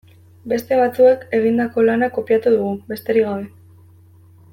Beste batzuek egindako lana kopiatu dugu, besterik gabe.